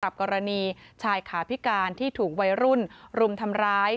กรณีชายขาพิการที่ถูกวัยรุ่นรุมทำร้าย